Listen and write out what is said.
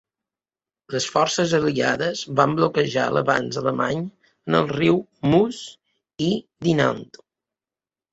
Les forces aliades van bloquejar l'avanç alemany en el riu Meuse a Dinant.